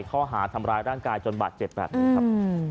ข้อหาทำร้ายร่างกายจนบาดเจ็บแบบนี้ครับ